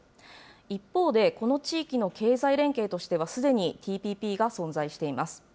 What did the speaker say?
一方で、この地域の経済連携としては、すでにＴＰＰが存在しています。